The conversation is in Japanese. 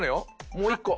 もう一個。